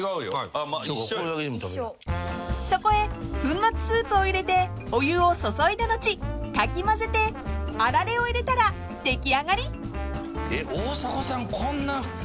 ［そこへ粉末スープを入れてお湯を注いだ後かき混ぜてあられを入れたら出来上がり］